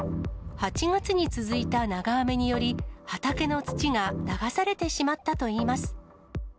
８月に続いた長雨により、畑の土が流されてしまったといいます。